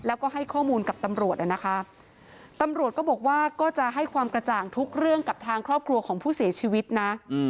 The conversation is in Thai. แล้วก็ให้ข้อมูลกับตำรวจนะคะตำรวจก็บอกว่าก็จะให้ความกระจ่างทุกเรื่องกับทางครอบครัวของผู้เสียชีวิตนะ